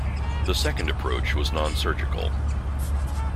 The second approach was nonsurgical.